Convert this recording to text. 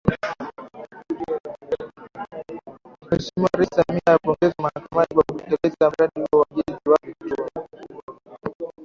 Mheshimiwa Rais Samia ameipongeza Mahakama kwa kutekeleza mradi huo wa ujenzi wa Vituo